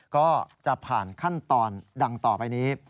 ก็จะผ่านขั้นตอนดังต่อไปนี้